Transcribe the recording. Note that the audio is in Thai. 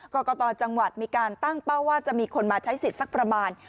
กรกตจังหวัดมีการตั้งเป้าว่าจะมีคนมาใช้สิทธิ์สักประมาณ